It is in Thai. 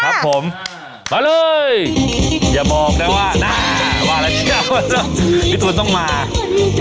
อย่าบอกว่ามาแล้วพี่ตูนต้องมา